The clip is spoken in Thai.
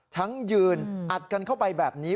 ทั้งยืนอัดกันเข้าไปแบบนี้